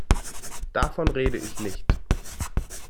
Davon rede ich nicht.